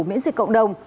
miễn dịch cộng đồng